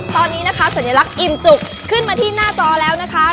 ตอนนี้นะคะสัญลักษณ์อิ่มจุกขึ้นมาที่หน้าจอแล้วนะคะ